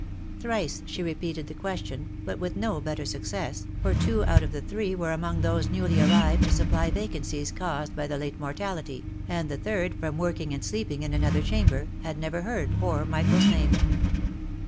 Thrice she repeated the question, but with no better success, for two out of the three were among those newly arrived to supply vacancies caused by the late mortality, and the third OF MICHAEL ARMSTRONG. 257 from working and sleeping in another chamber, had never heard poor Michael's name.